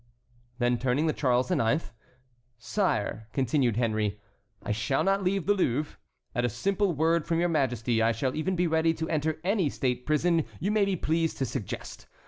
Then turning to Charles IX.: "Sire," continued Henry, "I shall not leave the Louvre. At a simple word from your Majesty I shall even be ready to enter any state prison you may be pleased to suggest.